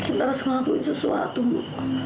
kita harus ngakuin sesuatu ma